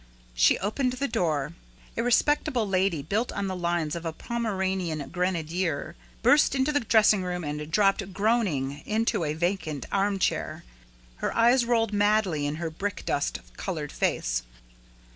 She opened the door. A respectable lady, built on the lines of a Pomeranian grenadier, burst into the dressing room and dropped groaning into a vacant arm chair. Her eyes rolled madly in her brick dust colored face.